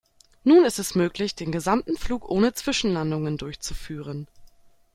Nun ist es möglich, den gesamten Flug ohne Zwischenlandungen durchzuführen.